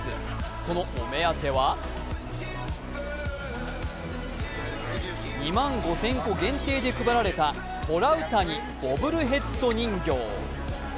そのお目当ては２万５０００個限定で配られたトラウタニボブルヘッド人形。